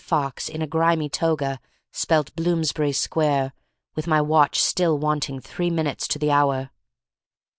Fox in a grimy toga spelt Bloomsbury Square with my watch still wanting three minutes to the hour.